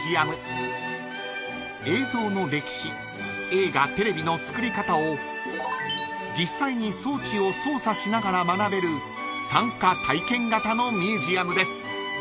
［映像の歴史映画テレビの作り方を実際に装置を操作しながら学べる参加体験型のミュージアムです］